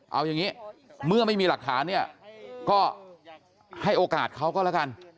เอาอย่างนี้เมื่อไม่มีหลักฐานเนี่ยก็ให้โอกาสเขาก็แล้วกัน